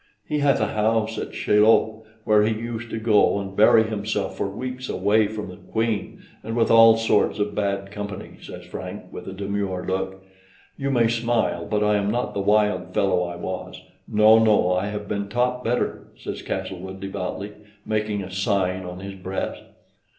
He hath a house at Chaillot, where he used to go and bury himself for weeks away from the Queen, and with all sorts of bad company," says Frank, with a demure look; "you may smile, but I am not the wild fellow I was; no, no, I have been taught better," says Castlewood devoutly, making a sign on his breast.